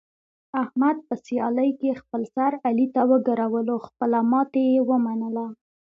احمد په سیالۍ کې خپل سر علي ته وګرولو، خپله ماتې یې و منله.